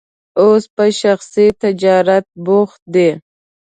اوس په شخصي تجارت بوخت دی.